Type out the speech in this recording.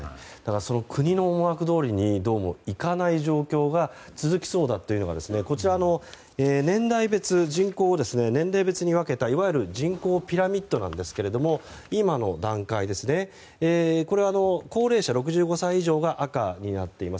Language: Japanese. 国の思惑どおりにどうもいかない状況が続きそうだというのがこちらの年代別人口を年齢別に分けた、いわゆる人口ピラミッドなんですけども今の段階、これは高齢者６５歳以上が赤になっています。